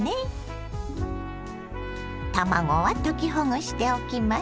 卵は溶きほぐしておきます。